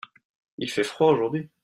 il fait froid aujourd'hui.